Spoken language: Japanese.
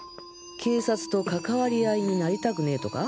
警察と関わり合いになりたくねぇとか？